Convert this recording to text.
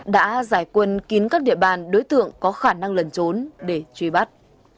đã giải quân kín các địa bàn đối tượng có khả năng lẩn trốn để truy bắt